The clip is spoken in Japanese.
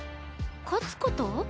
勝つこと？